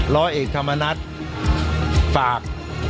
ร้อยเอกธรรมนัฐฝาก